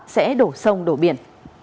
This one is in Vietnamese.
sẽ đổ sông đổ biển